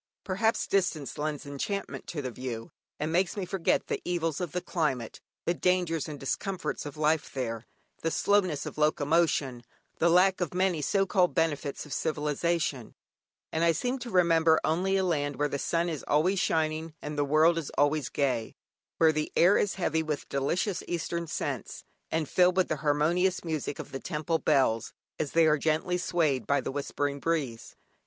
Perhaps distance lends enchantment to the view, and makes me forget the evils of the climate, the dangers and discomforts of life there, the slowness of locomotion, the lack of many so called benefits of civilisation; and I seem to remember only a land where the sun is always shining and the world is always gay; where the air is heavy with delicious eastern scents, and filled with the harmonious music of the temple bells, as they are gently swayed by the whispering breeze.